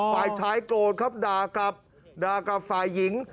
ฝ่ายชายโกรธครับด่ากลับด่ากับฝ่ายหญิง